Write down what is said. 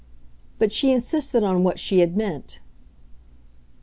But she insisted on what she had meant.